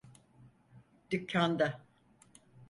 Dükkanda.